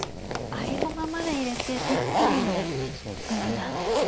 合駒まで入れてぴったりの詰みなんですね。